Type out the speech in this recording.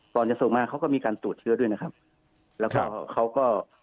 จะส่งมาเขาก็มีการตรวจเชื้อด้วยนะครับแล้วก็เขาก็